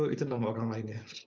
itu nama orang lain ya